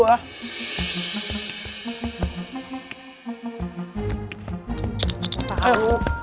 udah cepetan ayo